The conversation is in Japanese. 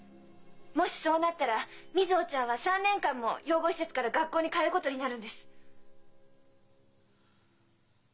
もしそうなったら瑞穂ちゃんは３年間も養護施設から学校に通うことになるんです！